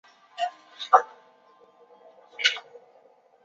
是伊朗三个加色丁礼教区之一。